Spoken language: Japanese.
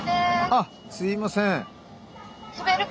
あっすいません。